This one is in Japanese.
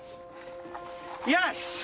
よし！